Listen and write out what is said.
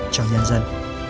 cho nhân dân